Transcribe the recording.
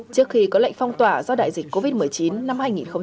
trước khi có lệnh phong tỏa do đại dịch covid một mươi chín năm hai nghìn hai mươi